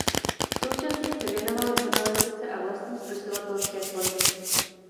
Současně se věnoval žurnalistice a vlastní spisovatelské tvorbě.